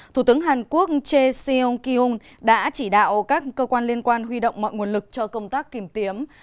thủ tướng hàn quốc chae seon kyung đã chỉ đạo các cơ quan liên quan huy động mọi nguồn lực cho công tác kiểm tiếm